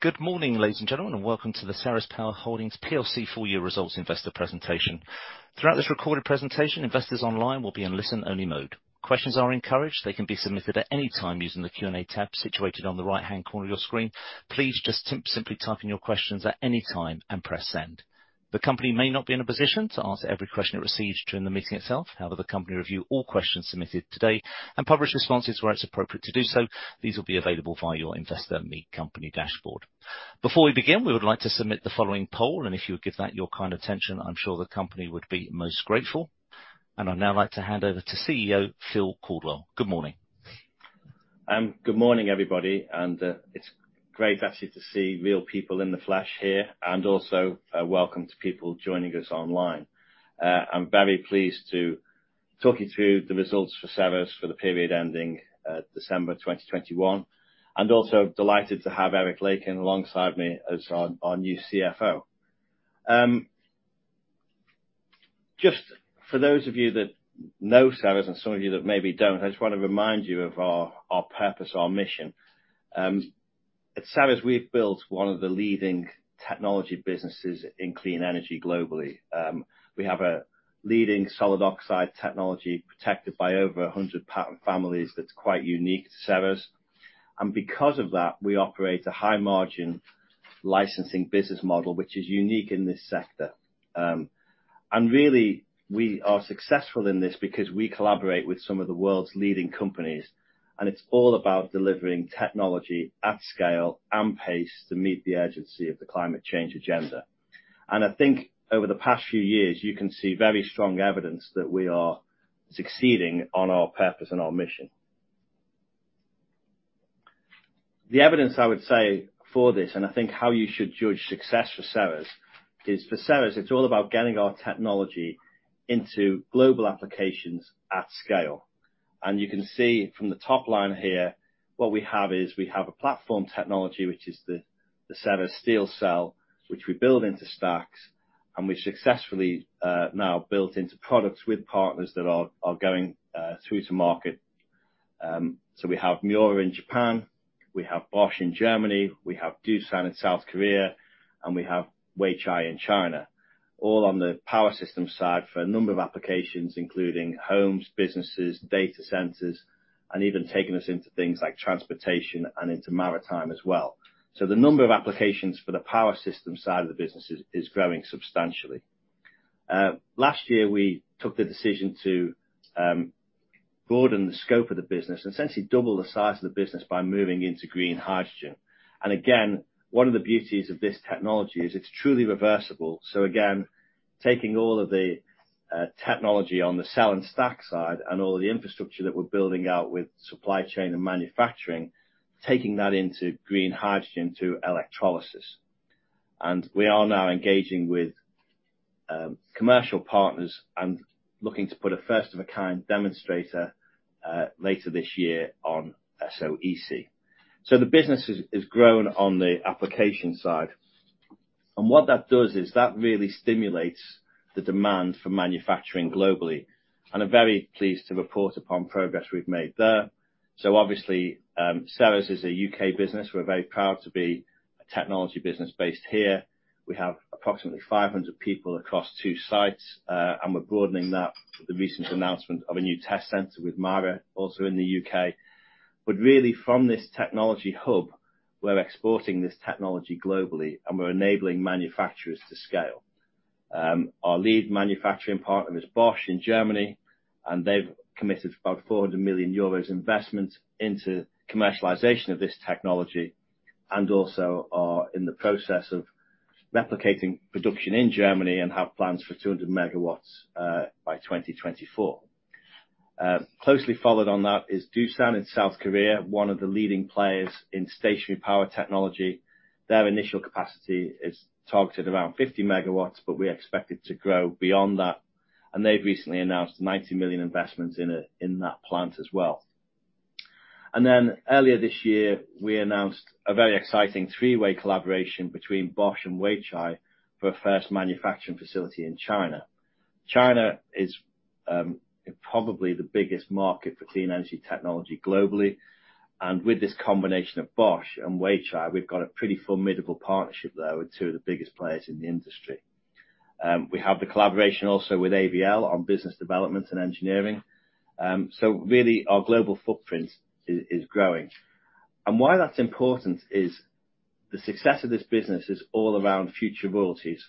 Good morning, ladies and gentlemen, and welcome to the Ceres Power Holdings plc full results investor presentation. Throughout this recorded presentation, investors online will be in listen-only mode. Questions are encouraged. They can be submitted at any time using the Q&A tab situated on the right-hand corner of your screen. Please just simply type in your questions at any time and press send. The company may not be in a position to answer every question it receives during the meeting itself. However, the company will review all questions submitted today and publish responses where it's appropriate to do so. These will be available via your Investor Meet Company dashboard. Before we begin, we would like to submit the following poll, and if you would give that your kind attention, I'm sure the company would be most grateful. I'd now like to hand over to CEO Phil Caldwell. Good morning. Good morning, everybody, and it's great actually to see real people in the flesh here, and also welcome to people joining us online. I'm very pleased to talk you through the results for Ceres for the period ending December 2021, and also delighted to have Eric Lakin alongside me as our new CFO. Just for those of you that know Ceres and some of you that maybe don't, I just wanna remind you of our purpose, our mission. At Ceres, we've built one of the leading technology businesses in clean energy globally. We have a leading solid oxide technology protected by over 100 patent families that's quite unique to Ceres. Because of that, we operate a high-margin licensing business model, which is unique in this sector. Really, we are successful in this because we collaborate with some of the world's leading companies, and it's all about delivering technology at scale and pace to meet the urgency of the climate change agenda. I think over the past few years, you can see very strong evidence that we are succeeding on our purpose and our mission. The evidence I would say for this, and I think how you should judge success for Ceres, is for Ceres, it's all about getting our technology into global applications at scale. You can see from the top line here, what we have is we have a platform technology, which is the Ceres SteelCell, which we build into stacks, and we've successfully now built into products with partners that are going through to market. We have in Japan, we have Bosch in Germany, we have Doosan in South Korea, and we have Weichai in China, all on the power systems side for a number of applications, including homes, businesses, data centers, and even taking us into things like transportation and into maritime as well. The number of applications for the power systems side of the business is growing substantially. Last year, we took the decision to broaden the scope of the business and essentially double the size of the business by moving into green hydrogen. Again, one of the beauties of this technology is it's truly reversible. Again, taking all of the technology on the cell and stack side and all of the infrastructure that we're building out with supply chain and manufacturing, taking that into green hydrogen to electrolysis. We are now engaging with commercial partners and looking to put a first of a kind demonstrator later this year on SOEC. The business has grown on the application side. What that does is that really stimulates the demand for manufacturing globally, and I'm very pleased to report upon progress we've made there. Obviously, Ceres is a U.K. business. We're very proud to be a technology business based here. We have approximately 500 people across two sites, and we're broadening that with the recent announcement of a new test center with HORIBA MIRA, also in the U.K. Really from this technology hub, we're exporting this technology globally, and we're enabling manufacturers to scale. Our lead manufacturing partner is Bosch in Germany, and they've committed about 400 million euros investment into commercialization of this technology, and also are in the process of replicating production in Germany and have plans for 200 MW by 2024. Closely followed on that is Doosan in South Korea, one of the leading players in stationary power technology. Their initial capacity is targeted around 50 MW, but we expect it to grow beyond that. They've recently announced 90 million investments in that plant as well. Earlier this year, we announced a very exciting three-way collaboration between Bosch and Weichai for a first manufacturing facility in China. China is probably the biggest market for clean energy technology globally. With this combination of Bosch and Weichai, we've got a pretty formidable partnership there with two of the biggest players in the industry. We have the collaboration also with AVL on business development and engineering. So really our global footprint is growing. Why that's important is the success of this business is all around future royalties.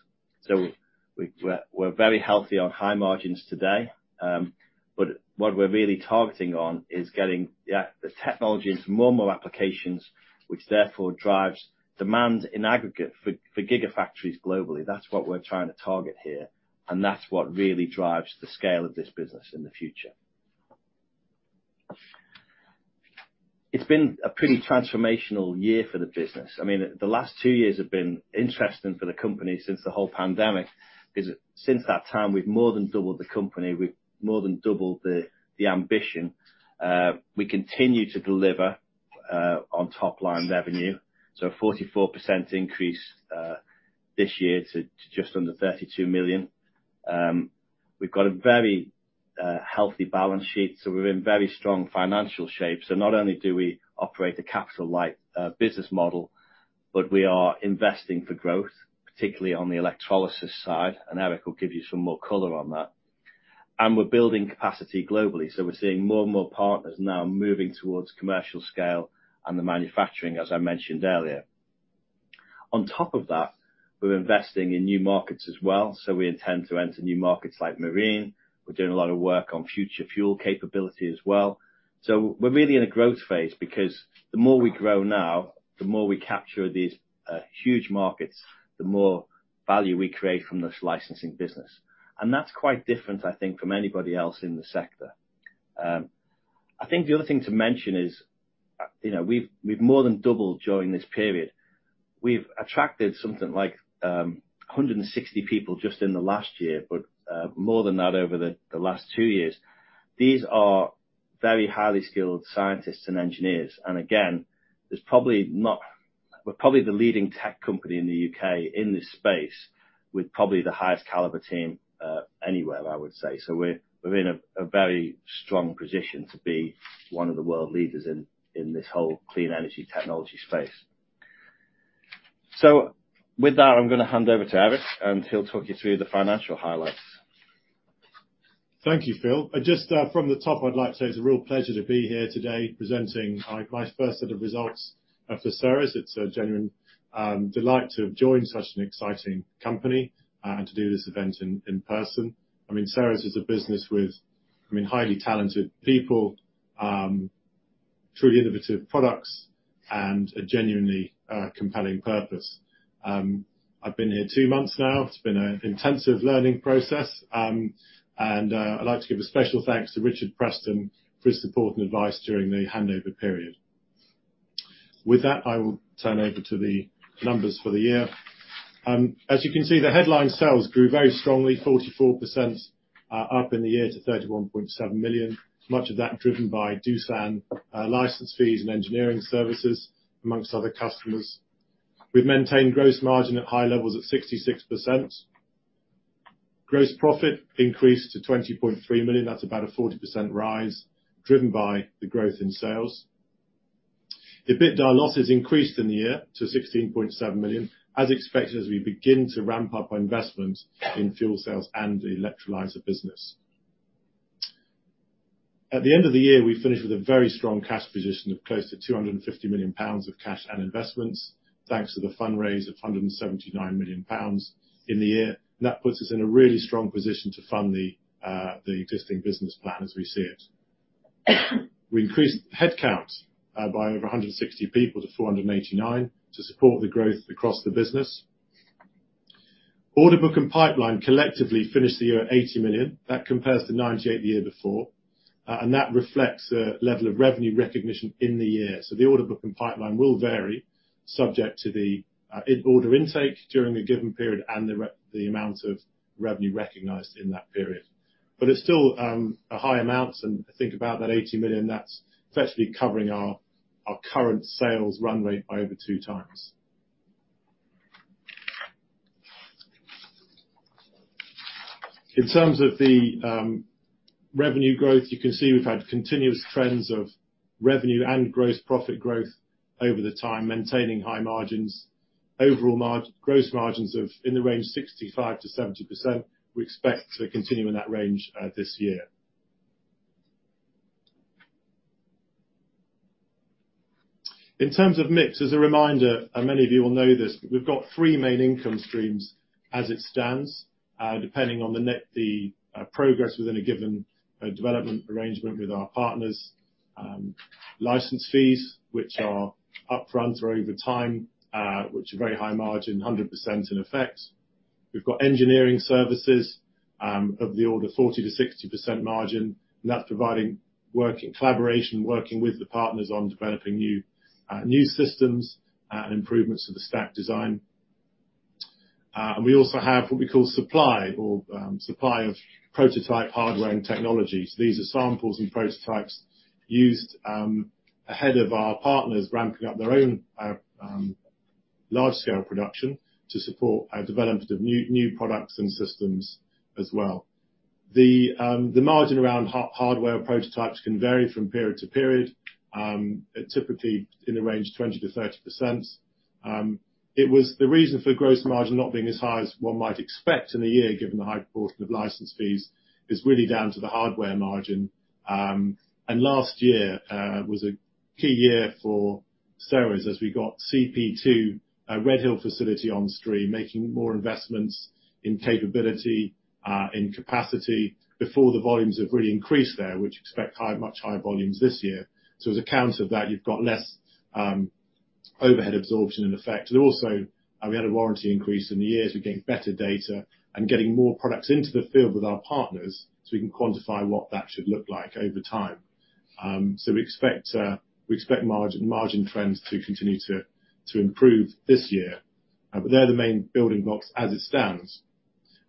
We're very healthy on high margins today. But what we're really targeting on is getting the technology into more and more applications, which therefore drives demand in aggregate for gigafactories globally. That's what we're trying to target here, and that's what really drives the scale of this business in the future. It's been a pretty transformational year for the business. I mean, the last two years have been interesting for the company since the whole pandemic. Since that time, we've more than doubled the company. We've more than doubled the ambition. We continue to deliver on top line revenue. A 44% increase this year to just under £32 million. We've got a very healthy balance sheet, so we're in very strong financial shape. Not only do we operate a capital light business model, but we are investing for growth, particularly on the electrolysis side, and Eric will give you some more color on that. We're building capacity globally. We're seeing more and more partners now moving towards commercial scale and the manufacturing, as I mentioned earlier. On top of that, we're investing in new markets as well. We intend to enter new markets like marine. We're doing a lot of work on future fuel capability as well. We're really in a growth phase because the more we grow now, the more we capture these huge markets, the more value we create from this licensing business. That's quite different, I think, from anybody else in the sector. I think the other thing to mention is we've more than doubled during this period. We've attracted something like 160 people just in the last year, but more than that over the last two years. These are very highly skilled scientists and engineers. We're probably the leading tech company in the U.K. in this space with probably the highest caliber team anywhere, I would say. We're in a very strong position to be one of the world leaders in this whole clean energy technology space. With that, I'm gonna hand over to Eric, and he'll talk you through the financial highlights. Thank you, Phil. Just from the top, I'd like to say it's a real pleasure to be here today presenting my first set of results for Ceres. It's a genuine delight to have joined such an exciting company and to do this event in person. I mean, Ceres is a business with, I mean, highly talented people, truly innovative products and a genuinely compelling purpose. I've been here two months now. It's been an intensive learning process and I'd like to give a special thanks to Richard Preston for his support and advice during the handover period. With that, I will turn over to the numbers for the year. As you can see, the headline sales grew very strongly, 44% up in the year to 31.7 million. Much of that driven by Doosan, license fees and engineering services among other customers. We've maintained gross margin at high levels at 66%. Gross profit increased to 20.3 million. That's about a 40% rise driven by the growth in sales. The EBITDA losses increased in the year to 16.7 million, as expected, as we begin to ramp up our investment in fuel cells and the electrolyzer business. At the end of the year, we finished with a very strong cash position of close to 250 million pounds of cash and investments, thanks to the fundraise of 179 million pounds in the year. That puts us in a really strong position to fund the existing business plan as we see it. We increased headcount by over 160 people to 489 to support the growth across the business. Order book and pipeline collectively finished the year at 80 million. That compares to 98 million the year before, and that reflects the level of revenue recognition in the year. The order book and pipeline will vary subject to the order intake during a given period and the amount of revenue recognized in that period. It's still a high amount, and I think about that 80 million, that's effectively covering our current sales runway over two times. In terms of the revenue growth, you can see we've had continuous trends of revenue and gross profit growth over time, maintaining high margins. Overall gross margins in the range 65%-70%, we expect to continue in that range this year. In terms of mix, as a reminder, many of you will know this, we've got three main income streams as it stands, depending on the progress within a given development arrangement with our partners. License fees, which are upfront or over time, which are very high margin, 100% in effect. We've got engineering services of the order 40%-60% margin, and that's providing working collaboration, working with the partners on developing new systems and improvements to the stack design. We also have what we call supply of prototype hardware and technologies. These are samples and prototypes used ahead of our partners ramping up their own large scale production to support development of new products and systems as well. The margin around hardware prototypes can vary from period to period, typically in the range of 20%-30%. It was the reason for gross margin not being as high as one might expect in a year, given the high portion of license fees is really down to the hardware margin. Last year was a key year for Ceres as we got CP2 Redhill facility on stream, making more investments in capability in capacity before the volumes have really increased there, which expect high, much higher volumes this year. On account of that, you've got less overhead absorption in effect. Also, we had a warranty increase in the year as we're getting better data and getting more products into the field with our partners, so we can quantify what that should look like over time. We expect margin trends to continue to improve this year. They're the main building blocks as it stands.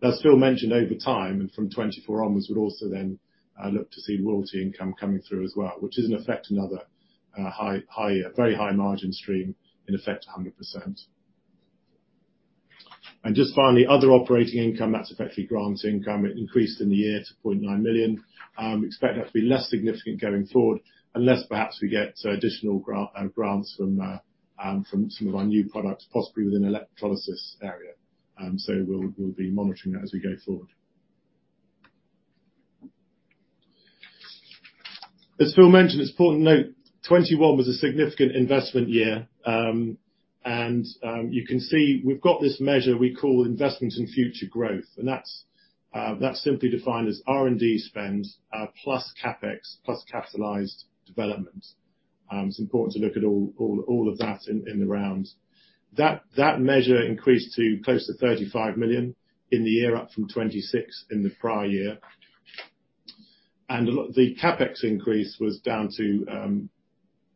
As Phil mentioned over time, and from 2024 onwards, we'd also then look to see royalty income coming through as well, which is in effect another very high margin stream, in effect 100%. Just finally, other operating income that's effectively grants income increased in the year to 0.9 million. We expect that to be less significant going forward unless perhaps we get additional grants from some of our new products, possibly within the electrolysis area. We'll be monitoring that as we go forward. As Phil mentioned, it's important to note, 2021 was a significant investment year. You can see we've got this measure we call investment in future growth, and that's simply defined as R&D spend plus CapEx plus capitalized development. It's important to look at all of that in the round. That measure increased to close to 35 million in the year, up from 26 million in the prior year. The CapEx increase was down to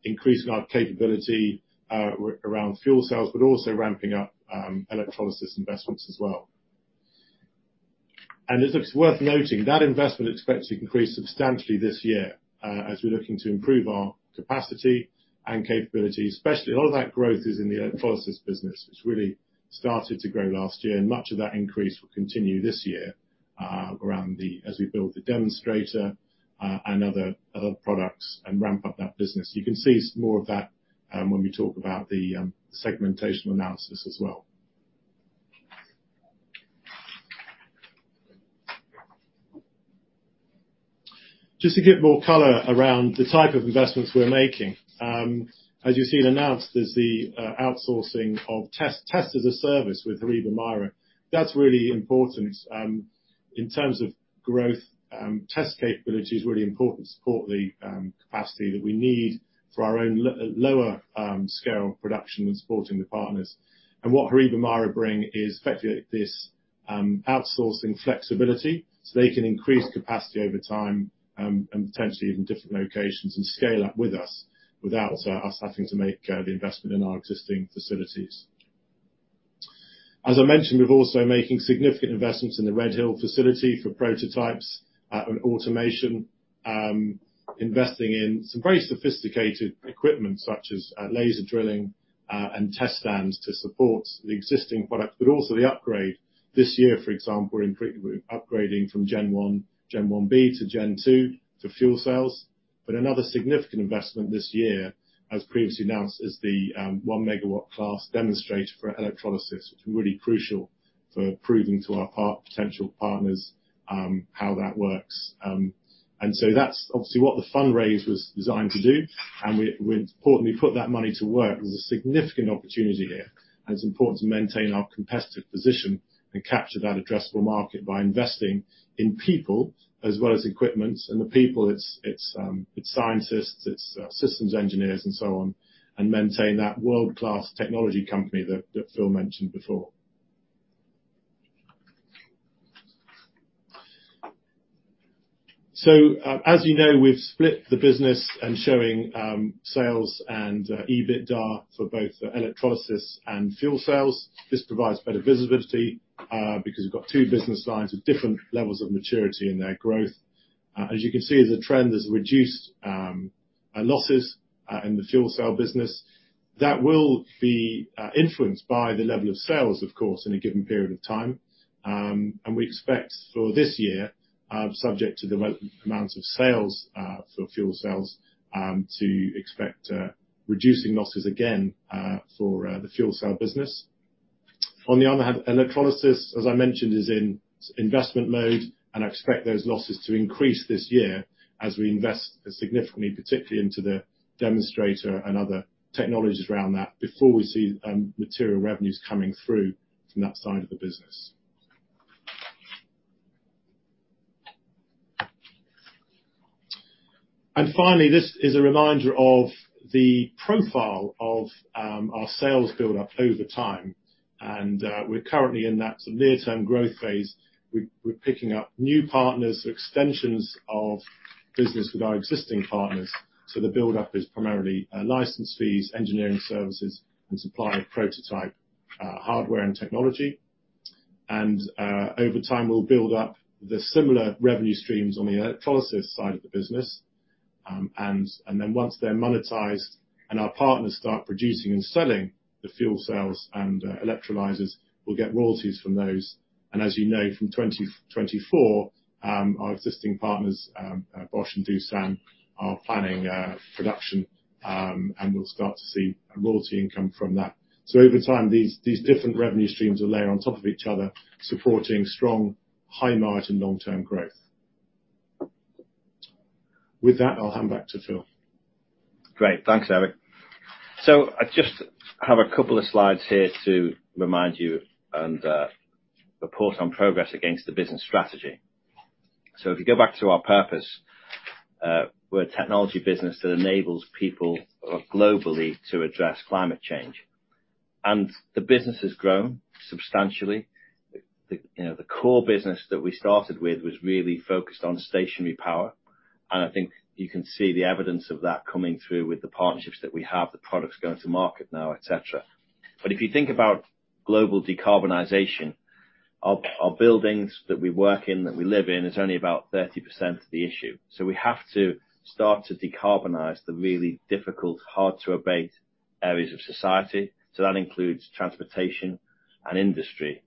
increasing our capability around fuel cells, but also ramping up electrolysis investments as well. It's worth noting that investment is expected to increase substantially this year, as we're looking to improve our capacity and capability, especially a lot of that growth is in the electrolysis business, which really started to grow last year, and much of that increase will continue this year, as we build the demonstrator, and other products and ramp up that business. You can see more of that, when we talk about the segmentation analysis as well. Just to give more color around the type of investments we're making, as you see it announced, there's the outsourcing of test as a service with HORIBA MIRA. That's really important in terms of growth, test capability is really important to support the capacity that we need for our own lower scale production and supporting the partners. What HORIBA MIRA brings is effectively this, outsourcing flexibility, so they can increase capacity over time, and potentially in different locations and scale up with us without us having to make the investment in our existing facilities. As I mentioned, we're also making significant investments in the Redhill facility for prototypes, and automation, investing in some very sophisticated equipment such as laser drilling, and test stands to support the existing product, but also the upgrade. This year, for example, we're upgrading from Gen one, Gen one B to Gen 2 for fuel cells. Another significant investment this year, as previously announced, is the 1 MW class demonstrator for electrolysis, which is really crucial for proving to our potential partners how that works. That's obviously what the fundraise was designed to do, and we importantly put that money to work. There's a significant opportunity here, and it's important to maintain our competitive position and capture that addressable market by investing in people as well as equipment. The people, it's scientists, systems engineers and so on, and maintain that world-class technology company that Phil mentioned before. As you know, we've split the business and showing sales and EBITDA for both electrolysis and fuel cells. This provides better visibility because you've got two business lines with different levels of maturity in their growth. As you can see, the trend has reduced losses in the fuel cell business. That will be influenced by the level of sales, of course, in a given period of time. We expect for this year, subject to the amount of sales for fuel cells, reducing losses again for the fuel cell business. On the other hand, electrolysis, as I mentioned, is in investment mode, and I expect those losses to increase this year as we invest significantly, particularly into the demonstrator and other technologies around that before we see material revenues coming through from that side of the business. Finally, this is a reminder of the profile of our sales build up over time, and we're currently in that near-term growth phase. We're picking up new partners, extensions of business with our existing partners, so the build up is primarily license fees, engineering services, and supply of prototype hardware and technology. Over time, we'll build up the similar revenue streams on the electrolysis side of the business. Then once they're monetized and our partners start producing and selling the fuel cells and electrolyzers, we'll get royalties from those. As you know, from 2024, our existing partners, Bosch and Doosan, are planning production, and we'll start to see royalty income from that. Over time, these different revenue streams will layer on top of each other, supporting strong high margin long-term growth. With that, I'll hand back to Phil. Great. Thanks, Eric. I just have a couple of slides here to remind you and report on progress against the business strategy. If you go back to our purpose, we're a technology business that enables people globally to address climate change. The business has grown substantially. You know, the core business that we started with was really focused on stationary power, and I think you can see the evidence of that coming through with the partnerships that we have, the products going to market now, et cetera. If you think about global decarbonization, our buildings that we work in, that we live in, is only about 30% of the issue. We have to start to decarbonize the really difficult, hard to abate areas of society. That includes transportation and industry.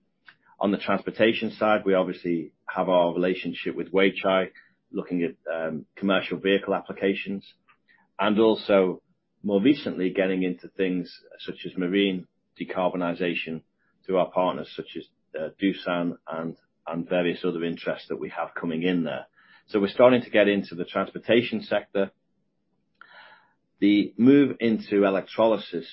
On the transportation side, we obviously have our relationship with Weichai, looking at commercial vehicle applications, and also more recently, getting into things such as marine decarbonization through our partners such as Doosan and various other interests that we have coming in there. We're starting to get into the transportation sector. The move into electrolysis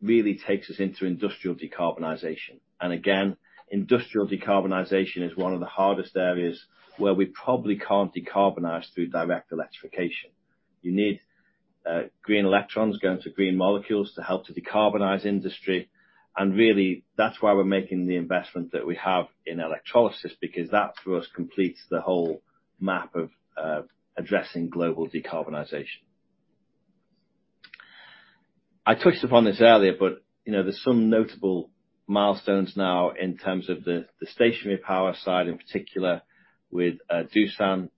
really takes us into industrial decarbonization. Again, industrial decarbonization is one of the hardest areas where we probably can't decarbonize through direct electrification. You need green electrons going to green molecules to help to decarbonize industry. Really that's why we're making the investment that we have in electrolysis, because that for us, completes the whole map of addressing global decarbonization. I touched upon this earlier, but you know, there's some notable milestones now in terms of the stationary power side, in particular with Doosan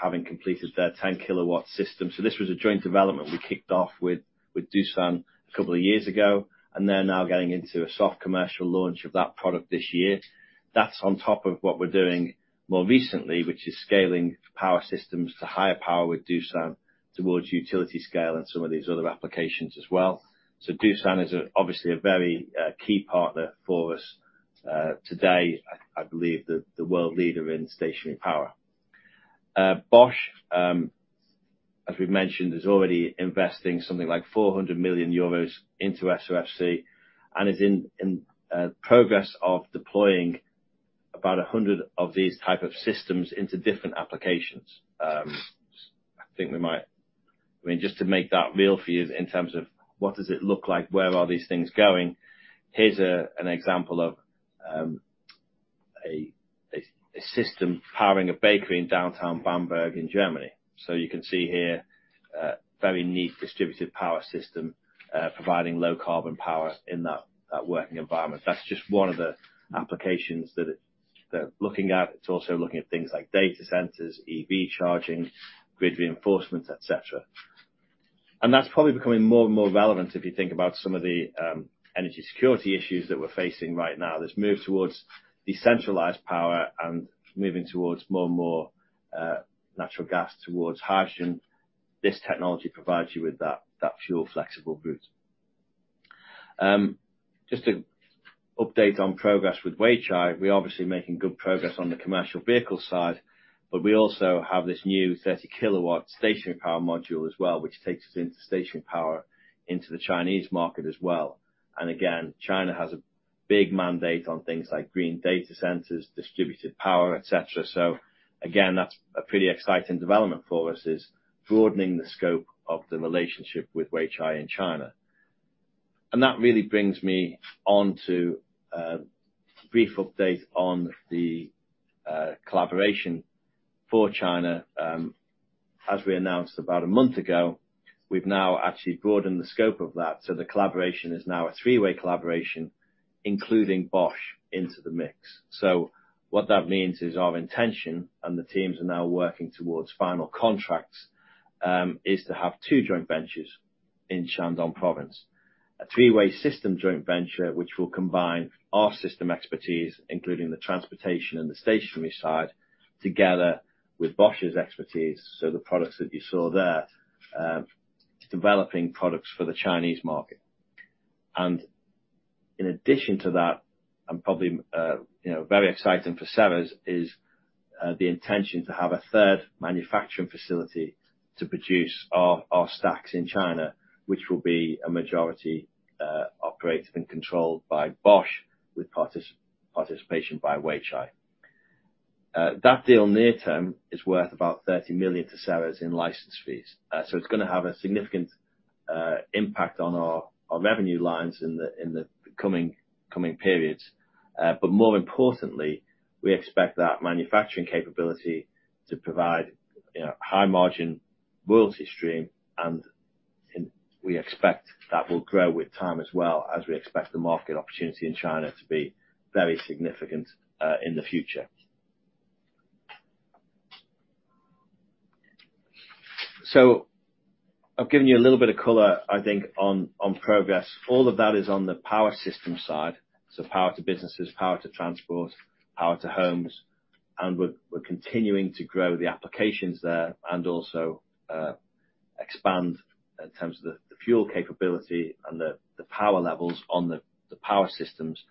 having completed their 10 kilowatt system. This was a joint development we kicked off with Doosan a couple of years ago, and they're now getting into a soft commercial launch of that product this year. That's on top of what we're doing more recently, which is scaling power systems to higher power with Doosan towards utility scale and some of these other applications as well. Doosan is obviously a very key partner for us. Today, I believe the world leader in stationary power. Bosch, as we've mentioned, is already investing something like 400 million euros into SOFC and is in progress of deploying about 100 of these type of systems into different applications. I mean, just to make that real for you in terms of what does it look like, where are these things going? Here's an example of a system powering a bakery in downtown Bamberg in Germany. You can see here a very neat distributed power system providing low carbon power in that working environment. That's just one of the applications that they're looking at. It's also looking at things like data centers, EV charging, grid reinforcement, et cetera. That's probably becoming more and more relevant if you think about some of the, energy security issues that we're facing right now. This move towards decentralized power and moving towards more and more, natural gas towards hydrogen. This technology provides you with that fuel flexible route. Just to update on progress with Weichai, we're obviously making good progress on the commercial vehicle side, but we also have this new 30-kilowatt stationary power module as well, which takes us into stationary power into the Chinese market as well. China has a big mandate on things like green data centers, distributed power, et cetera. That's a pretty exciting development for us, is broadening the scope of the relationship with Weichai in China. That really brings me on to a brief update on the, collaboration for China. As we announced about a month ago, we've now actually broadened the scope of that. The collaboration is now a three-way collaboration, including Bosch into the mix. What that means is our intention, and the teams are now working towards final contracts, is to have two joint ventures in Shandong Province. A three-way system joint venture, which will combine our system expertise, including the transportation and the stationary side, together with Bosch's expertise. The products that you saw there to developing products for the Chinese market. In addition to that, and probably, you know, very exciting for Ceres, is the intention to have a third manufacturing facility to produce our stacks in China, which will be a majority operated and controlled by Bosch with participation by Weichai. That deal near term is worth about 30 million to Ceres in license fees. It's gonna have a significant impact on our revenue lines in the coming periods. More importantly, we expect that manufacturing capability to provide, high margin royalty stream, and we expect that will grow with time as well, as we expect the market opportunity in China to be very significant in the future. I've given you a little bit of color, I think, on progress. All of that is on the power systems side. Power to businesses, power to transport, power to homes. We're continuing to grow the applications there and also expand in terms of the fuel capability and the power levels on the power systems.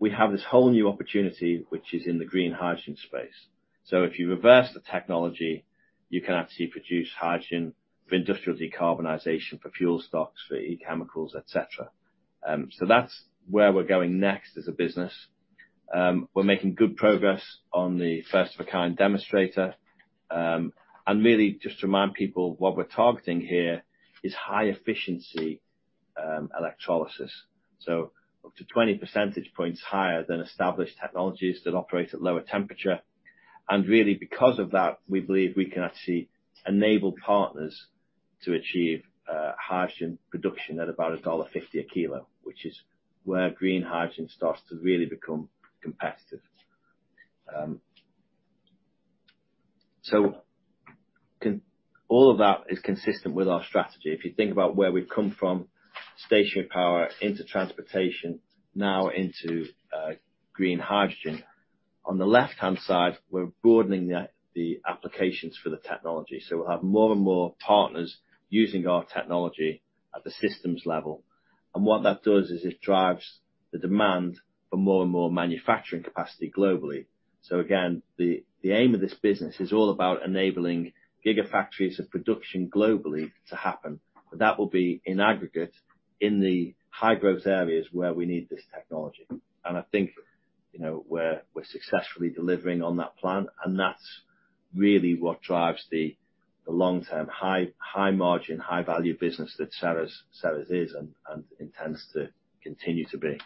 We have this whole new opportunity, which is in the green hydrogen space. If you reverse the technology, you can actually produce hydrogen for industrial decarbonization, for feedstocks, for e-chemicals, et cetera. That's where we're going next as a business. We're making good progress on the first of a kind demonstrator. Really just remind people what we're targeting here is high efficiency electrolysis. Up to 20 percentage points higher than established technologies that operate at lower temperature. Really because of that, we believe we can actually enable partners to achieve hydrogen production at about $1.50 a kilo, which is where green hydrogen starts to really become competitive. All of that is consistent with our strategy. If you think about where we've come from, stationary power into transportation, now into green hydrogen. On the left-hand side, we're broadening the applications for the technology. We'll have more and more partners using our technology at the systems level. What that does is it drives the demand for more and more manufacturing capacity globally. Again, the aim of this business is all about enabling gigafactories of production globally to happen. That will be in aggregate in the high-growth areas where we need this technology. I think, you know, we're successfully delivering on that plan, and that's really what drives the long-term high margin, high value business that Ceres is and intends to continue to be.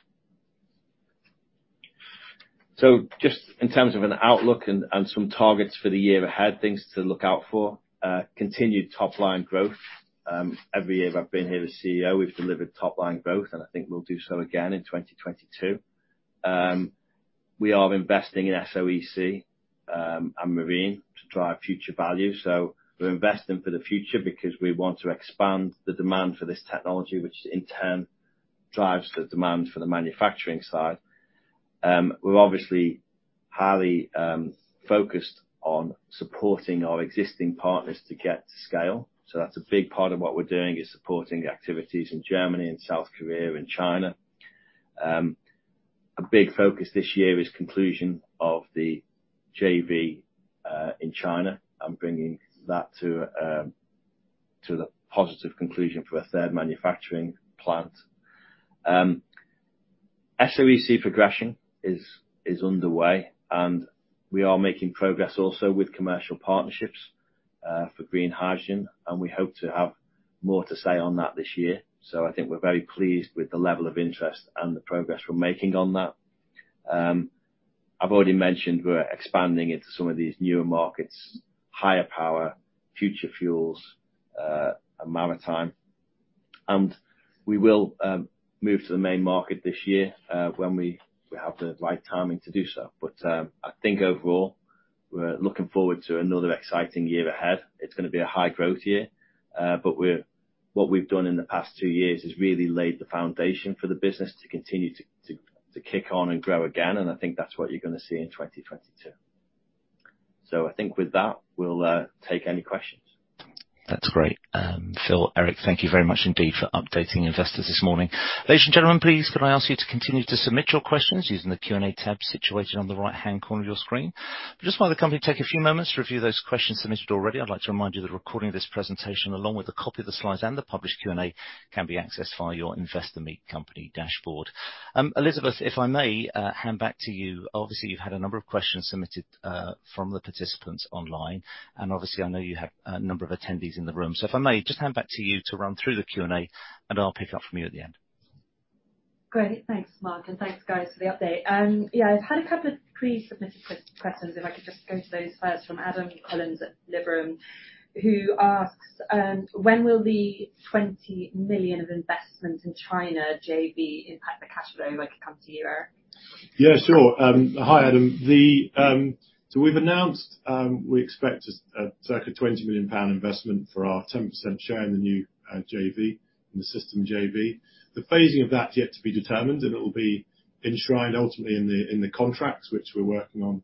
Just in terms of an outlook and some targets for the year ahead, things to look out for, continued top-line growth. Every year I've been here as CEO, we've delivered top-line growth, and I think we'll do so again in 2022. We are investing in SOEC and marine to drive future value, so we're investing for the future because we want to expand the demand for this technology, which in turn drives the demand for the manufacturing side. We're obviously highly focused on supporting our existing partners to get to scale. That's a big part of what we're doing, is supporting the activities in Germany and South Korea and China. A big focus this year is conclusion of the JV in China and bringing that to the positive conclusion for a third manufacturing plant. SOEC progression is underway, and we are making progress also with commercial partnerships for green hydrogen, and we hope to have more to say on that this year. I think we're very pleased with the level of interest and the progress we're making on that. I've already mentioned we're expanding into some of these newer markets: higher power, future fuels, and maritime. We will move to the main market this year when we have the right timing to do so. I think overall, we're looking forward to another exciting year ahead. It's gonna be a high-growth year, but what we've done in the past two years has really laid the foundation for the business to continue to kick on and grow again, and I think that's what you're gonna see in 2022. I think with that, we'll take any questions. That's great. Phil, Eric, thank you very much indeed for updating investors this morning. Ladies and gentlemen, please could I ask you to continue to submit your questions using the Q&A tab situated on the right-hand corner of your screen? Just while the company take a few moments to review those questions submitted already, I'd like to remind you that a recording of this presentation, along with a copy of the slides and the published Q&A, can be accessed via your Investor Meet Company dashboard. Elizabeth, if I may, hand back to you. Obviously, you've had a number of questions submitted from the participants online, and obviously, I know you have a number of attendees in the room. If I may just hand back to you to run through the Q&A, and I'll pick it up from you at the end. Great. Thanks, Mark, and thanks guys for the update. Yeah, I've had a couple of pre-submitted questions, if I could just go to those first, from Adam Collins at Liberum, who asks, "When will the 20 million of investment in China JV impact the cash flow?" I could come to you, Eric. Yeah, sure. Hi, Adam. We've announced we expect a circa 20 million pound investment for our 10% share in the new JV, in the system JV. The phasing of that yet to be determined, and it will be enshrined ultimately in the contracts which we're working on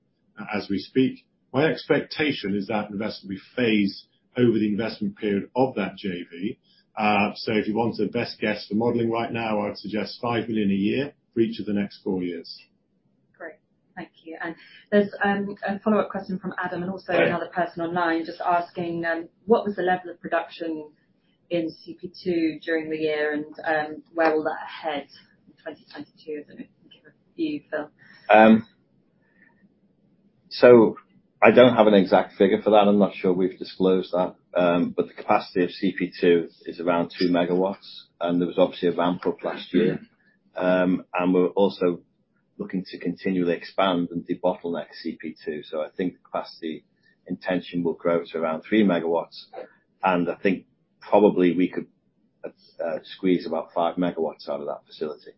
as we speak. My expectation is that investment will be phased over the investment period of that JV. If you wanted a best guess for modeling right now, I would suggest 5 million a year for each of the next four years. Great. Thank you. There's a follow-up question from Adam. Great. Also another person online just asking, "What was the level of production in CP2 during the year and, where will that head in 2022?" I don't know. Give a view, Phil. I don't have an exact figure for that. I'm not sure we've disclosed that. The capacity of CP2 is around 2 MW, and there was obviously a ramp up last year. We're also looking to continually expand and debottleneck CP2. I think capacity intention will grow to around 3 MW. I think probably we could squeeze about 5 MW out of that facility.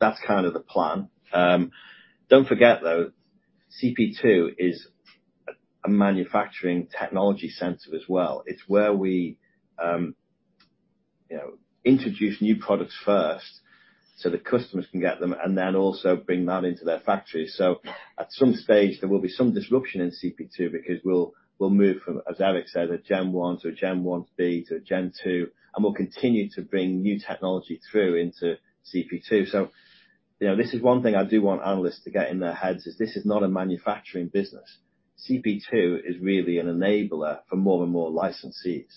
That's kind of the plan. Don't forget though, CP2 is a manufacturing technology center as well. It's where we introduce new products first so the customers can get them and then also bring that into their factory. At some stage there will be some disruption in CP2 because we'll move from, as Eric said, a Gen one to a Gen one B to a Gen 2, and we'll continue to bring new technology through into CP2. You know, this is one thing I do want analysts to get in their heads is this is not a manufacturing business. CP2 is really an enabler for more and more licensees.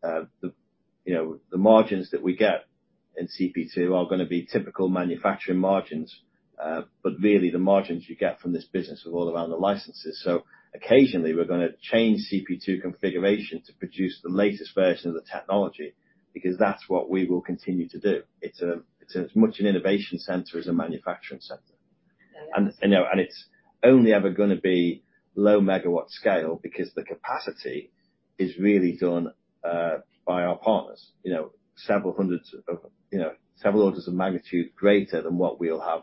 The, you know, the margins that we get in CP2 are gonna be typical manufacturing margins, but really the margins you get from this business are all around the licenses. Occasionally we're gonna change CP2 configuration to produce the latest version of the technology because that's what we will continue to do. It's as much an innovation center as a manufacturing center. You know, it's only ever gonna be low megawatt scale because the capacity is really done by our partners, several orders of magnitude greater than what we'll have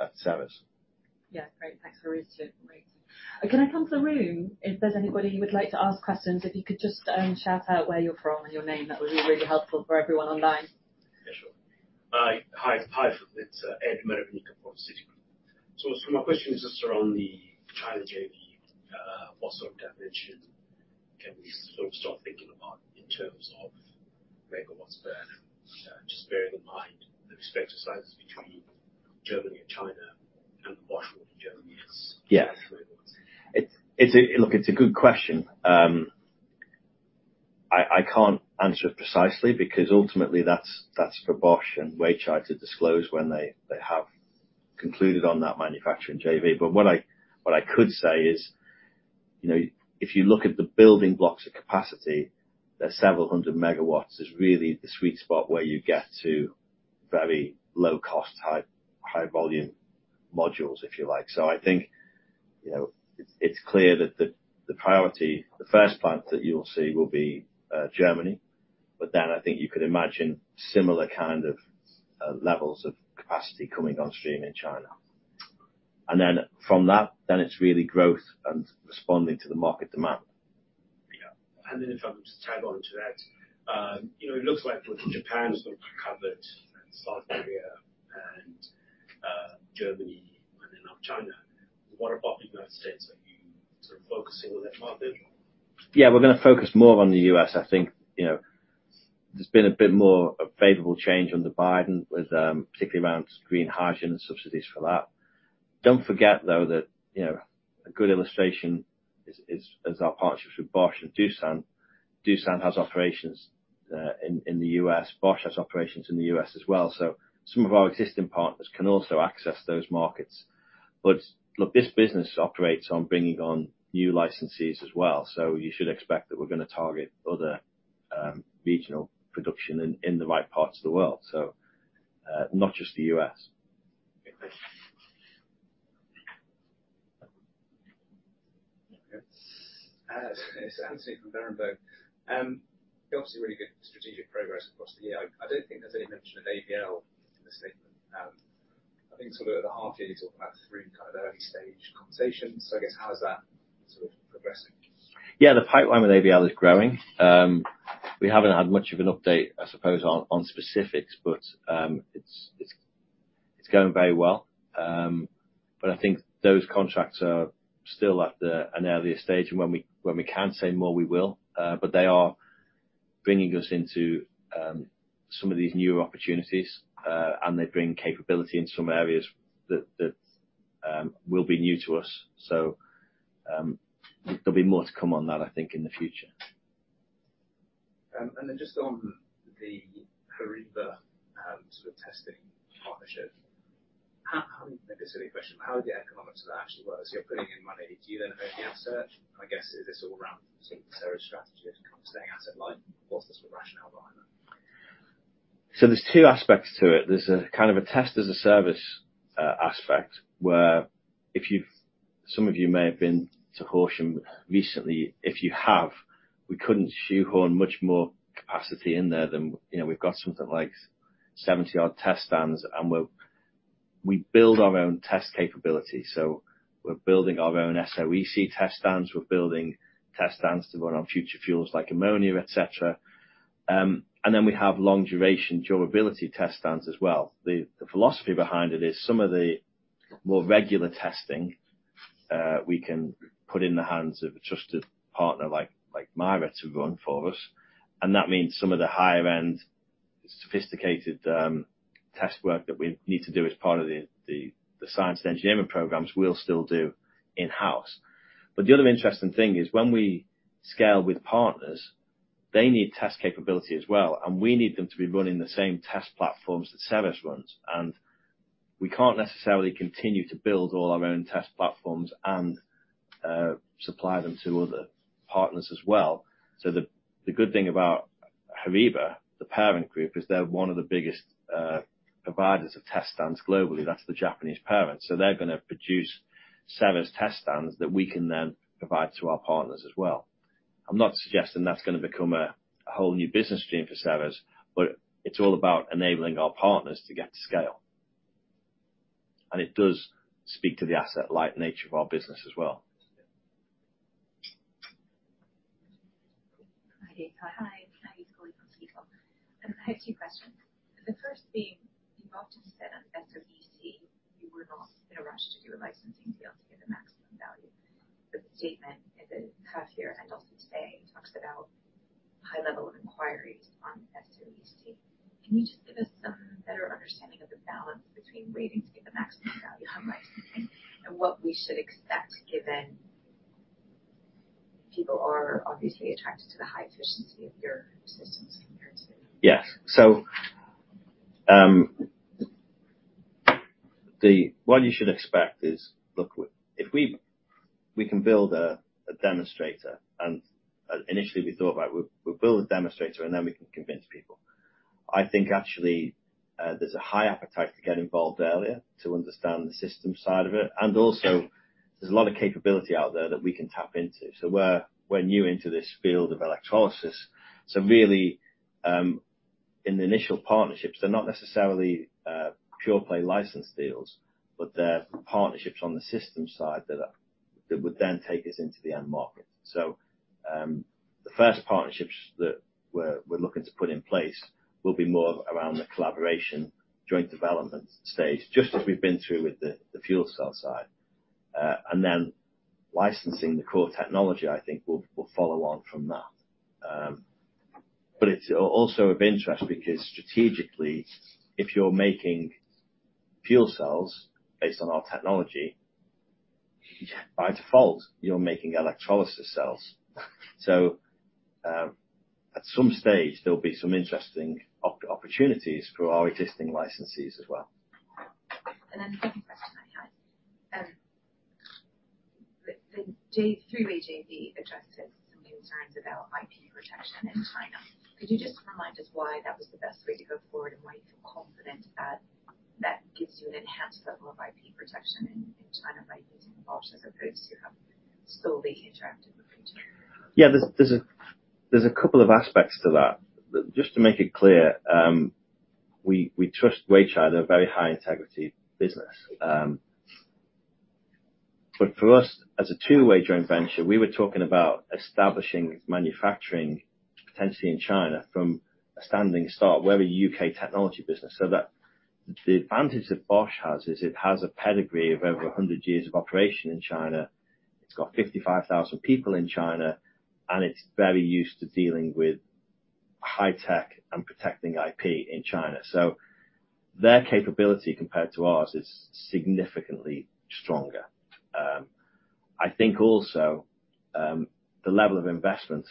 at Ceres. Yeah. Great. Thanks very much, Stuart. Great. Can I come to the room? If there's anybody who would like to ask questions, if you could just shout out where you're from and your name, that would be really helpful for everyone online. Yeah, sure. Hi, it's Ed Mervin from Citigroup. My question is just around the China JV. What sort of dimension can we sort of start thinking about in terms of megawatts there? Just bearing in mind the respective sizes between Germany and China and the Wernau in Germany. Yes. Look, it's a good question. I can't answer it precisely because ultimately that's for Bosch and Weichai to disclose when they have concluded on that manufacturing JV. But what I could say is, if you look at the building blocks of capacity, the several hundred megawatts is really the sweet spot where you get to very low cost, high volume modules, if you like. I think, it's clear that the priority, the first plant that you'll see will be Germany. Then I think you could imagine similar kind of levels of capacity coming on stream in China. From that, it's really growth and responding to the market demand. Yeah. If I could just tack on to that. You know, it looks like with Japan sort of covered and South Korea and Germany and then now China. What about the United States? Are you sort of focusing on that market? Yeah, we're gonna focus more on the U.S. I think, there's been a bit more favorable change under Biden with, particularly around green hydrogen and subsidies for that. Don't forget, though, that, a good illustration is our partnerships with Bosch and Doosan. Doosan has operations in the U.S. Bosch has operations in the U.S. as well. Some of our existing partners can also access those markets. Look, this business operates on bringing on new licensees as well. You should expect that we're gonna target other regional production in the right parts of the world. Not just the U.S. Okay. It's Anthony from Berenberg. Obviously really good strategic progress across the year. I don't think there's any mention of AVL in the statement. I think sort of at the half year, you're talking about three kind of early stage conversations. I guess how is that sort of progressing? Yeah, the pipeline with AVL is growing. We haven't had much of an update, I suppose on specifics, but it's going very well. But I think those contracts are still at an earlier stage and when we can say more, we will. But they are bringing us into some of these new opportunities, and they bring capability in some areas that will be new to us. So, there'll be more to come on that, I think in the future. just on the HORIBA, sort of testing partnership. How maybe a silly question. How the economics of that actually works. You're putting in money. Do you then have a research? I guess it's all around Ceres strategy when it comes to staying asset light. What's the sort of rationale behind that? There's two aspects to it. There's a kind of a test as a service aspect where some of you may have been to Horsham recently. If you have, we couldn't shoehorn much more capacity in there than, we've got something like 70-odd test stands and we build our own test capability. We're building our own SOEC test stands. We're building test stands to run on future fuels like ammonia, et cetera. We have long duration durability test stands as well. The philosophy behind it is some of the more regular testing we can put in the hands of a trusted partner like Mira to run for us. That means some of the higher end sophisticated test work that we need to do as part of the science and engineering programs we'll still do in-house. The other interesting thing is when we scale with partners, they need test capability as well, and we need them to be running the same test platforms that Ceres runs. We can't necessarily continue to build all our own test platforms and supply them to other partners as well. The good thing about HORIBA, the parent group, is they're one of the biggest providers of test stands globally. That's the Japanese parent. They're gonna produce Ceres test stands that we can then provide to our partners as well. I'm not suggesting that's gonna become a whole new business stream for Ceres, but it's all about enabling our partners to get to scale. It does speak to the asset light nature of our business as well. Yeah. Hi. It's Chloe from Berenberg. I have two questions. The first being, you've often said on SOEC, you were not in a rush to do a licensing deal to get the maximum value. The statement in the half year and also today talks about high level of inquiries on SOEC. Can you just give us some better understanding of the balance between waiting to get the maximum value on licensing and what we should expect given people are obviously attracted to the high efficiency of your systems compared to- What you should expect is, look, if we can build a demonstrator and initially we thought about we build a demonstrator and then we can convince people. I think actually there's a high appetite to get involved earlier to understand the system side of it, and also there's a lot of capability out there that we can tap into. We're new into this field of electrolysis. Really, in the initial partnerships, they're not necessarily pure-play license deals, but they're partnerships on the system side that would then take us into the end market. The first partnerships that we're looking to put in place will be more around the collaboration joint development stage, just as we've been through with the fuel cell side. Licensing the core technology, I think will follow on from that. It's also of interest because strategically, if you're making fuel cells based on our technology, by default, you're making electrolysis cells. At some stage, there'll be some interesting opportunities for our existing licensees as well. The second question I had, through the JV, you've addressed some concerns about IP protection in China. Could you just remind us why that was the best way to go forward and why you feel confident that that gives you an enhanced level of IP protection in China by using Bosch as opposed to have solely interacted with Weichai? There's a couple of aspects to that. Just to make it clear, we trust Weichai. They're a very high integrity business. For us, as a two-way joint venture, we were talking about establishing manufacturing potentially in China from a standing start. We're a U.K. technology business, so the advantage that Bosch has is it has a pedigree of over 100 years of operation in China. It's got 55,000 people in China, and it's very used to dealing with high tech and protecting IP in China. Their capability compared to ours is significantly stronger. I think also, the level of investment,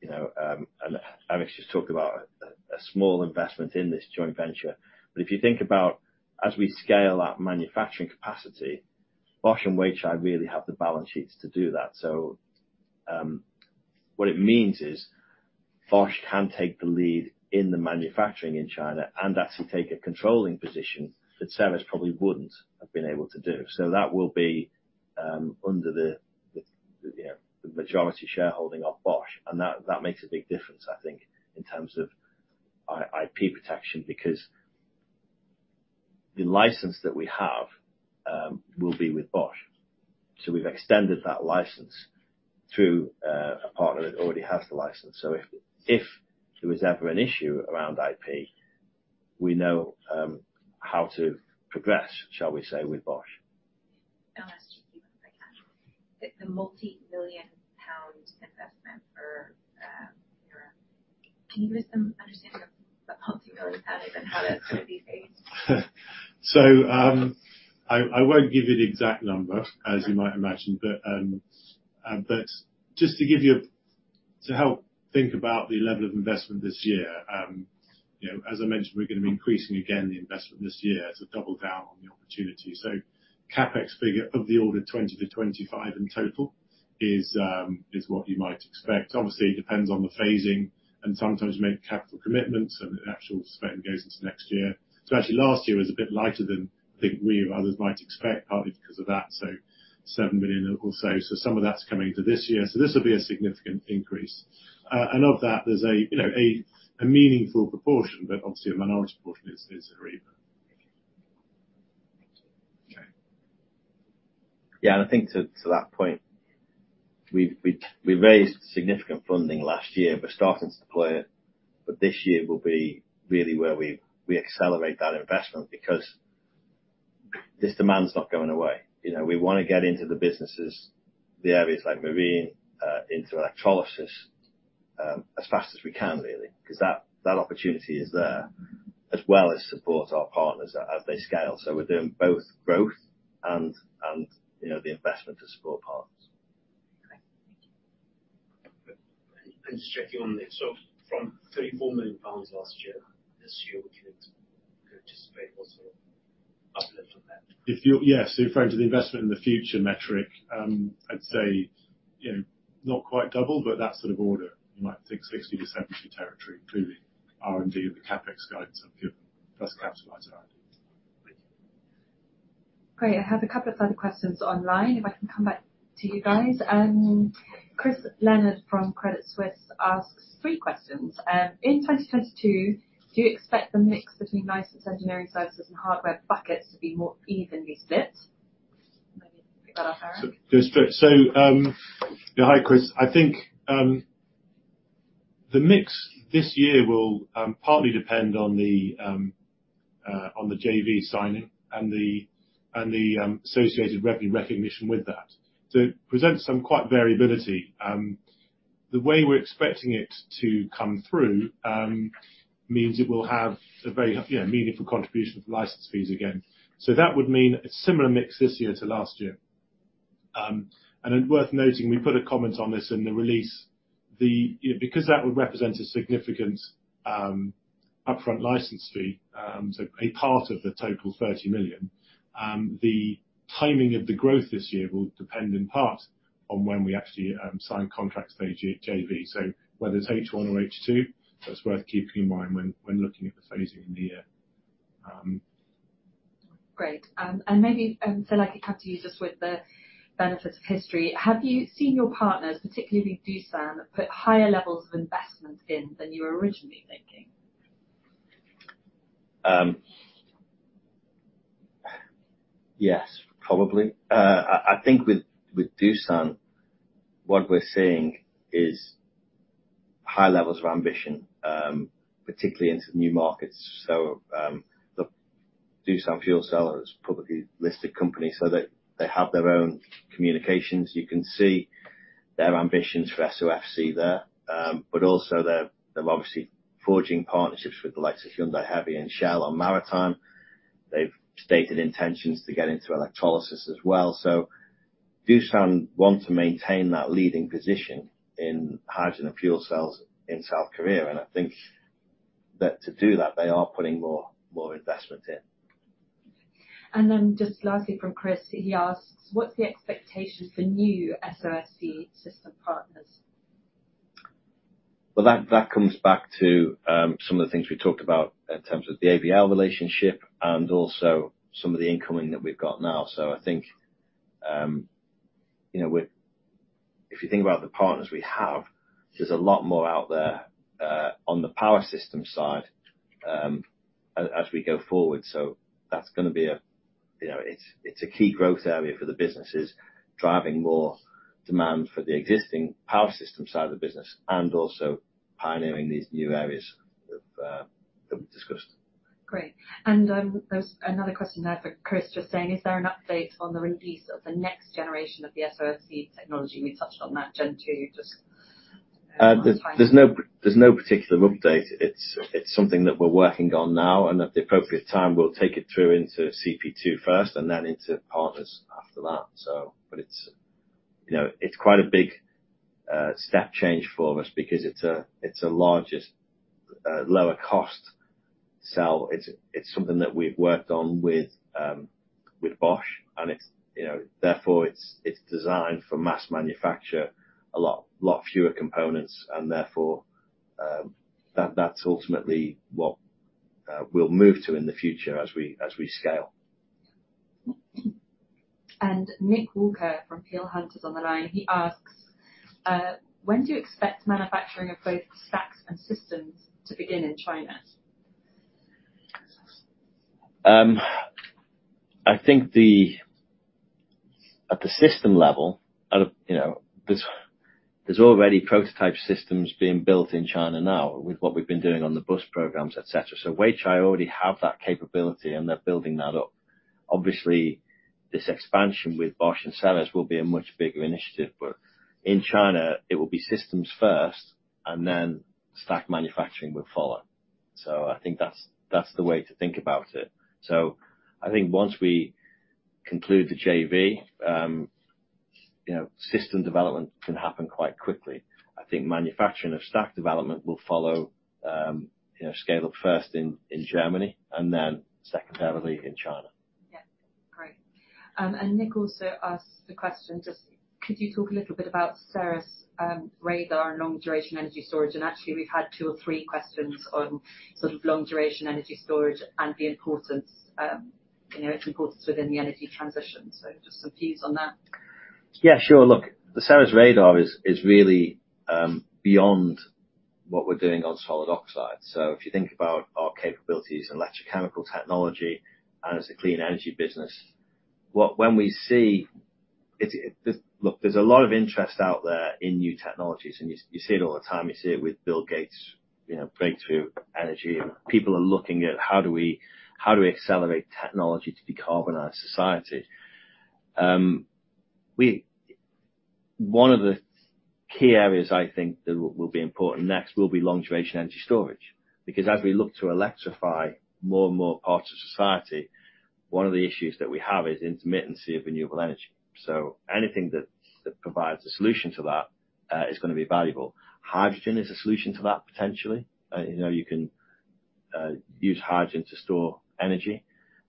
and Eric Lakin just talked about a small investment in this joint venture. If you think about as we scale up manufacturing capacity, Bosch and Weichai really have the balance sheets to do that. What it means is Bosch can take the lead in the manufacturing in China and actually take a controlling position that Ceres probably wouldn't have been able to do. That will be under, the majority shareholding of Bosch, and that makes a big difference, I think, in terms of IP protection, because the license that we have will be with Bosch. We've extended that license through a partner that already has the license. If there was ever an issue around IP, we know how to progress, shall we say, with Bosch. I'll ask you one quick one. The multi-million GBP investment for Europe. Can you give us some understanding of the multi-million GBP and how that's gonna be phased? I won't give you the exact number, as you might imagine, but just to give you to help think about the level of investment this year, as I mentioned, we're gonna be increasing again the investment this year to double down on the opportunity. CapEx figure of the order of 20 million-25 million in total is what you might expect. Obviously, it depends on the phasing and sometimes we make capital commitments and the actual spend goes into next year. Actually last year was a bit lighter than I think we or others might expect, partly because of that, so 7 million or so. Some of that's coming to this year. This will be a significant increase. Of that, there's a, meaningful proportion, but obviously a minority portion is in arena. Thank you. Yeah. I think to that point, we raised significant funding last year. We're starting to deploy it, but this year will be really where we accelerate that investment because this demand is not going away. You know, we wanna get into the businesses, the areas like marine, into electrolysis, as fast as we can really, 'cause that opportunity is there as well as support our partners as they scale. We're doing both growth and the investment to support partners. Okay. Thank you. Just checking on this. From 34 million pounds last year, this year we could anticipate also up a little bit. If you're referring to the investment in the future metric, I'd say, not quite double, but that sort of order. You might think 60-70 territory, including R&D and the CapEx guidance I've given. Plus capitalized R&D. Thank you. Great. I have a couple of other questions online, if I can come back to you guys. Chris Leonard from Credit Suisse asks three questions. In 2022, do you expect the mix between license engineering services and hardware buckets to be more evenly split? Maybe you can pick that up, Eric Lakin. Hi, Chris. I think the mix this year will partly depend on the JV signing and the associated revenue recognition with that. It presents some quite variability. The way we're expecting it to come through means it will have a very meaningful contribution of license fees again. That would mean a similar mix this year to last year. Worth noting, we put a comment on this in the release. Because that would represent a significant upfront license fee, a part of the total 30 million, the timing of the growth this year will depend in part on when we actually sign contracts for the JV. Whether it's H1 or H2, that's worth keeping in mind when looking at the phasing in the year. Um- Great. Maybe, so like it comes to you just with the benefit of hindsight. Have you seen your partners, particularly with Doosan, put higher levels of investments in than you were originally thinking? Yes, probably. I think with Doosan, what we're seeing is high levels of ambition, particularly into new markets. The Doosan Fuel Cell is a publicly listed company, so they have their own communications. You can see their ambitions for SOFC there. But also they're obviously forging partnerships with the likes of Hyundai Heavy and Shell on maritime. They've stated intentions to get into electrolysis as well. Doosan want to maintain that leading position in hydrogen and fuel cells in South Korea. I think that to do that, they are putting more investment in. Just lastly from Chris, he asks, what's the expectations for new SOFC system partners? That comes back to some of the things we talked about in terms of the AVL relationship and also some of the incoming that we've got now. I think if you think about the partners we have, there's a lot more out there on the power system side as we go forward. That's gonna be a, it's a key growth area for the businesses, driving more demand for the existing power system side of the business and also pioneering these new areas of that we discussed. Great. There's another question there for Chris, just saying is there an update on the release of the next generation of the SOFC technology? We touched on that, Gen 2, just last time. There's no particular update. It's something that we're working on now, and at the appropriate time, we'll take it through into CP2 first and then into partners after that. It's quite a big step change for us because it's the largest lower cost cell. It's something that we've worked on with Bosch, and it's therefore designed for mass manufacture, a lot fewer components and therefore that's ultimately what we'll move to in the future as we scale. Nick Walker from Peel Hunt on the line. He asks, when do you expect manufacturing of both stacks and systems to begin in China? I think at the system level, there's already prototype systems being built in China now with what we've been doing on the bus programs, et cetera. Weichai already have that capability, and they're building that up. Obviously, this expansion with Bosch and Ceres will be a much bigger initiative. In China, it will be systems first and then stack manufacturing will follow. I think that's the way to think about it. I think once we conclude the JV, system development can happen quite quickly. I think manufacturing of stack development will follow, scale up first in Germany and then secondarily in China. Yeah. Great. Nick also asked the question, just could you talk a little bit about Ceres' radar and long duration energy storage? Actually we've had two or three questions on sort of long duration energy storage and the importance, its importance within the energy transition. Just some views on that. Yeah, sure. Look, the Ceres Radar is really beyond what we're doing on Solid Oxide. If you think about our capabilities in electrochemical technology as a clean energy business, when we see it's it. Look, there's a lot of interest out there in new technologies, and you see it all the time. You see it with Bill Gates, Breakthrough Energy. People are looking at how do we accelerate technology to decarbonize society. One of the key areas I think that will be important next will be long duration energy storage because as we look to electrify more and more parts of society, one of the issues that we have is intermittency of renewable energy. Anything that's provides a solution to that is gonna be valuable. Hydrogen is a solution to that, potentially. You know, you can use hydrogen to store energy,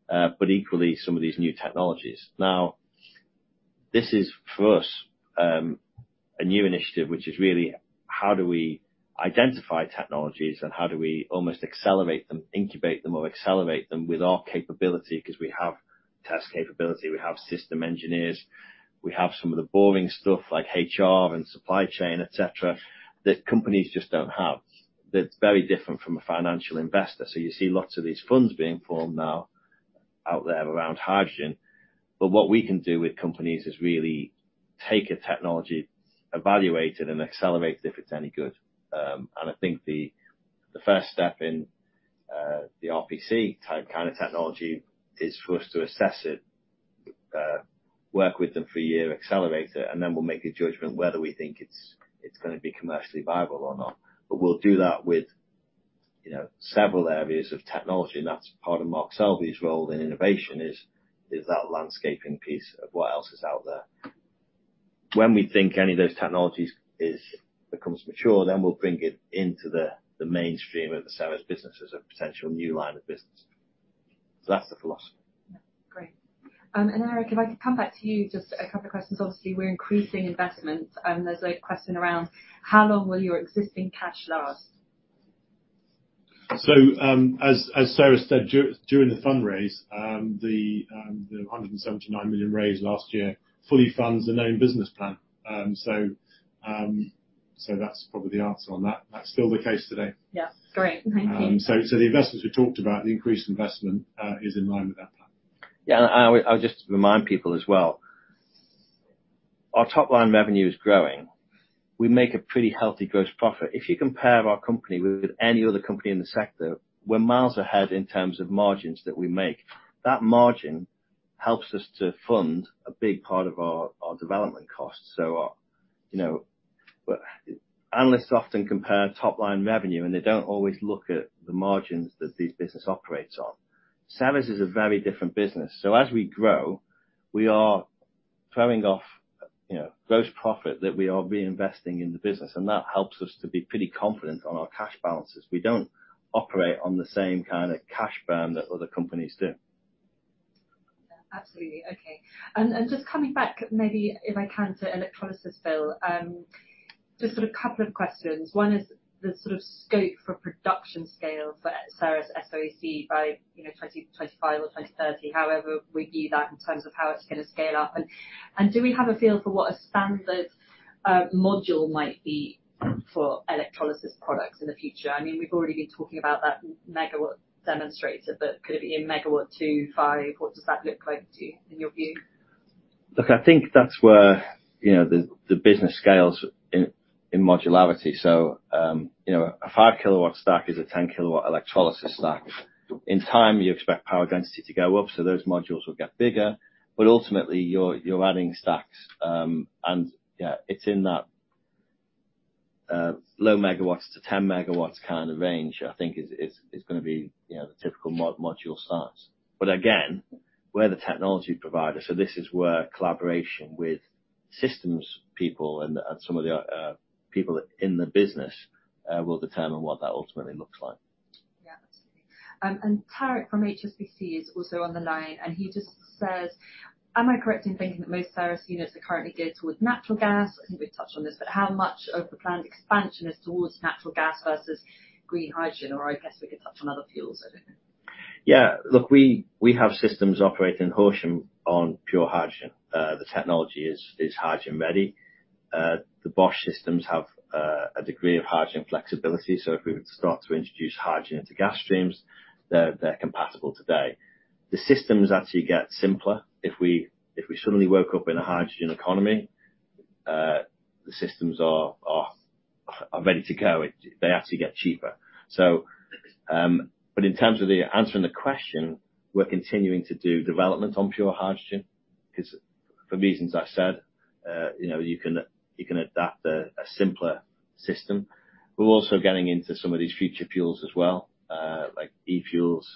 but equally, some of these new technologies. Now, this is, for us, a new initiative, which is really how do we identify technologies and how do we almost accelerate them, incubate them or accelerate them with our capability? 'Cause we have test capability, we have system engineers, we have some of the boring stuff like HR and supply chain, et cetera, that companies just don't have. That's very different from a financial investor. You see lots of these funds being formed now out there around hydrogen. What we can do with companies is really take a technology, evaluate it, and accelerate it if it's any good. I think the first step in the RFC-type kind of technology is for us to assess it, work with them for a year, accelerate it, and then we'll make a judgment whether we think it's gonna be commercially viable or not. We'll do that with, several areas of technology, and that's part of Mark Selby's role in innovation is that landscaping piece of what else is out there. When we think any of those technologies becomes mature, then we'll bring it into the mainstream of the sales business as a potential new line of business. That's the philosophy. Yeah. Great. Eric, if I could come back to you, just a couple of questions. Obviously, we're increasing investments, and there's a question around how long will your existing cash last? As Sarah said during the fundraise, 179 million raised last year fully funds the known business plan. That's probably the answer on that. That's still the case today. Yeah. Great. Thank you. The investors we talked about, the increased investment, is in line with that plan. Yeah. I would just remind people as well; our top line revenue is growing. We make a pretty healthy gross profit. If you compare our company with any other company in the sector, we're miles ahead in terms of margins that we make. That margin helps us to fund a big part of our development costs. You know, but analysts often compare top-line revenue, and they don't always look at the margins that this business operates on. Ceres is a very different business. As we grow, we are throwing off, gross profit that we are reinvesting in the business, and that helps us to be pretty confident on our cash balances. We don't operate on the same kind of cash burn that other companies do. Yeah. Absolutely. Okay. Just coming back, maybe if I can, to electrolysis, Phil. Just sort of couple of questions. One is the sort of scope for production scale for Ceres SOEC by, 2025 or 2030, however we view that in terms of how it's gonna scale up. Do we have a feel for what a standard module might be for electrolysis products in the future? I mean, we've already been talking about that megawatt demonstrator, but could it be a megawatt 2, 5? What does that look like to you, in your view? Look, I think that's where, the business scales in modularity. You know, a 5-kW stack is a 10-kW electrolysis stack. In time, you expect power density to go up, so those modules will get bigger. Ultimately, you're adding stacks, and yeah, it's in that low MW to 10 MW kind of range, I think is gonna be, the typical module size. Again, we're the technology provider, so this is where collaboration with systems people and some of the people in the business will determine what that ultimately looks like. Yeah. Absolutely. Tarek from HSBC is also on the line, and he just says, "Am I correct in thinking that most of Sarah's units are currently geared towards natural gas?" I think we've touched on this, but how much of the planned expansion is towards natural gas versus green hydrogen? Or I guess we could touch on other fuels. I don't know. Yeah. Look, we have systems operating in Horsham on pure hydrogen. The technology is hydrogen ready. The Bosch systems have a degree of hydrogen flexibility, so if we were to start to introduce hydrogen into gas streams, they're compatible today. The systems actually get simpler. If we suddenly woke up in a hydrogen economy, the systems are ready to go. They actually get cheaper. But in terms of answering the question, we're continuing to do development on pure hydrogen 'cause for reasons I said, you can adapt a simpler system. We're also getting into some of these future fuels as well, like e-fuels,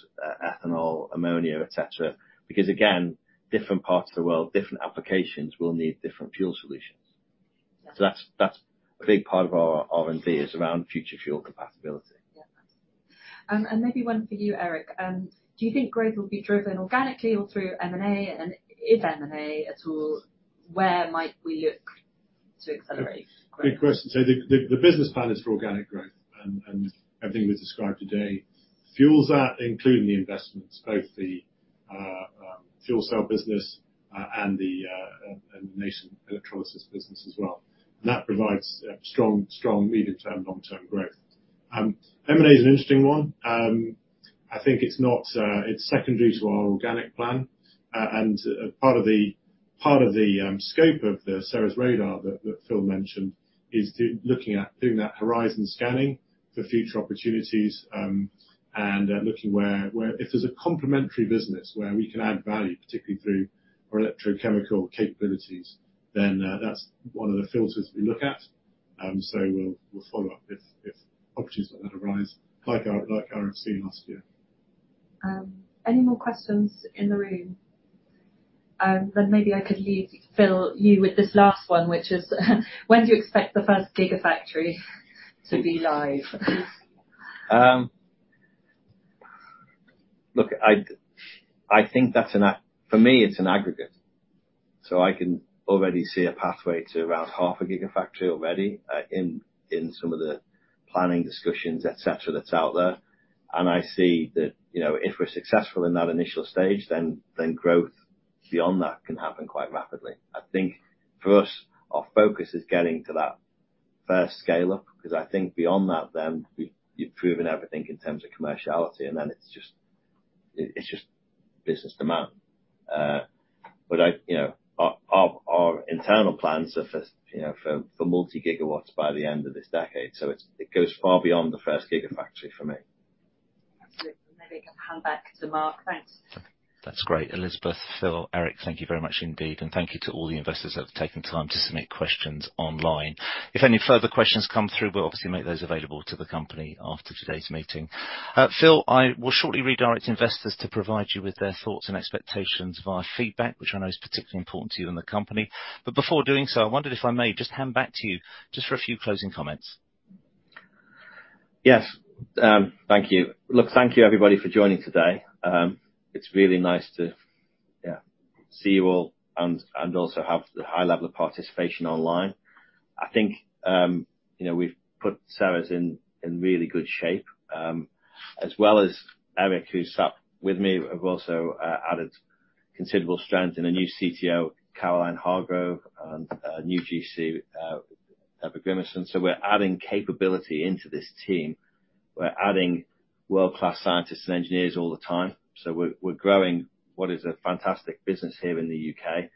ethanol, ammonia, et cetera. Because again, different parts of the world, different applications will need different fuel solutions. Yeah. That's a big part of our R&D. It's around future fuel compatibility. Yeah. Maybe one for you, Eric. Do you think growth will be driven organically or through M&A? If M&A at all, where might we look to accelerate growth? Good question. The business plan is for organic growth. Everything we've described today fuels that, including the investments, both the fuel cell business and the electrolyser business as well. That provides strong medium-term, long-term growth. M&A is an interesting one. I think it's secondary to our organic plan. Part of the scope of on Sarah's radar that Phil mentioned is looking at doing that horizon scanning for future opportunities and looking where if there's a complementary business where we can add value, particularly through our electrochemical capabilities, then that's one of the filters we look at. We'll follow up if opportunities like that arise, like RFC last year. Any more questions in the room? Maybe I could leave you with Phil this last one, which is, when do you expect the first gigafactory to be live? I think that's an aggregate. For me, it's an aggregate. I can already see a pathway to about half a gigafactory already in some of the planning discussions, et cetera, that's out there. I see that, if we're successful in that initial stage, then growth beyond that can happen quite rapidly. I think for us, our focus is getting to that first scale-up, because I think beyond that then, you've proven everything in terms of commerciality and then it's just business demand, our internal plans are for multi-gigawatts by the end of this decade. It goes far beyond the first gigafactory for me. Absolutely. Maybe I can hand back to Mark. Thanks. That's great. Elizabeth, Phil, Eric, thank you very much indeed. Thank you to all the investors that have taken time to submit questions online. If any further questions come through, we'll obviously make those available to the company after today's meeting. Phil, I will shortly redirect investors to provide you with their thoughts and expectations via feedback, which I know is particularly important to you and the company. Before doing so, I wondered if I may just hand back to you just for a few closing comments. Yes. Thank you. Look, thank you, everybody, for joining today. It's really nice to, yeah, see you all and also have the high level of participation online. I think, we've put Sarah's in really good shape, as well as Eric, who's sat with me. We've also added considerable strength in a new CTO, Caroline Hargrove, and a new GC, Deborah Grimason. We're adding capability into this team. We're adding world-class scientists and engineers all the time. We're growing what is a fantastic business here in the U.K.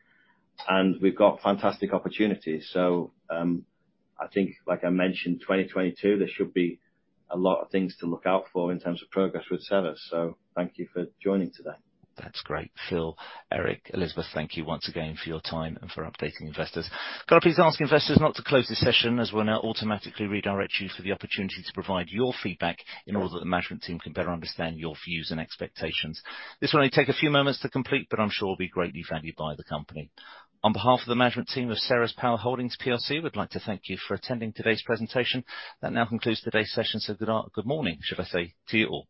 We've got fantastic opportunities. I think like I mentioned, 2022, there should be a lot of things to look out for in terms of progress with Sarah's. Thank you for joining today. That's great. Phil, Eric, Elizabeth, thank you once again for your time and for updating investors. Can I please ask investors not to close this session as we'll now automatically redirect you for the opportunity to provide your feedback in order that the management team can better understand your views and expectations? This will only take a few moments to complete, but I'm sure will be greatly valued by the company. On behalf of the management team of Ceres Power Holdings plc, we'd like to thank you for attending today's presentation. That now concludes today's session, so good morning, should I say, to you all.